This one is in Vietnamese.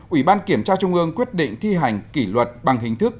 ủy ban kiểm tra trung ương quyết định thi hành kỷ luật bằng hình thức